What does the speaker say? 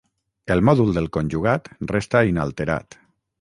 El mòdul del conjugat resta inalterat.